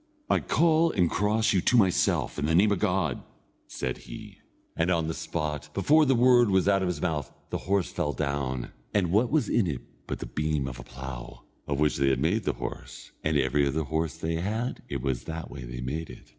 "I call and cross you to myself, in the name of God!" said he; and on the spot, before the word was out of his mouth, the horse fell down, and what was in it but the beam of a plough, of which they had made a horse; and every other horse they had, it was that way they made it.